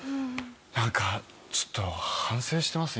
なんかちょっと反省してます